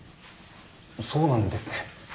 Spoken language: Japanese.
そうなんですね。